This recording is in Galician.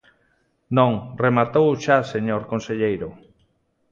Non, rematou xa, señor conselleiro.